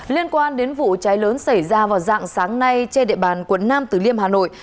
liên quan đến vụ cháy lớn xảy ra vào dạng sáng nay trên địa bàn quận nam tử liêm hà nội